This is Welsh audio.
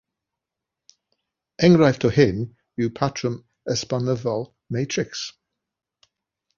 Enghraifft o hyn yw patrwm esbonyddol matrics.